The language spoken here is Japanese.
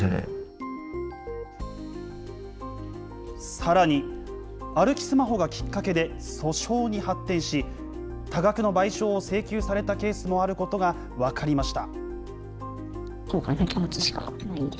さらに、歩きスマホがきっかけで、訴訟に発展し、多額の賠償を請求されたケースもあることが分かりました。